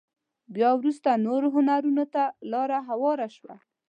بيا وروسته نورو هنرونو ته لاره هواره شوه.